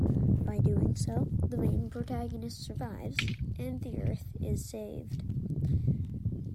By doing so, the main protagonist survives and the Earth is saved.